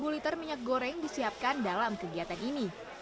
sepuluh liter minyak goreng disiapkan dalam kegiatan ini